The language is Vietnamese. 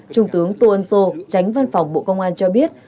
trung tướng tô ân sô tránh văn phòng bộ công an cho biết